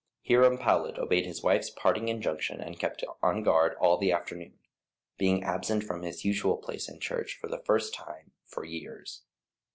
Hiram Powlett obeyed his wife's parting injunction and kept on guard all the afternoon, being absent from his usual place in church for the first time for years.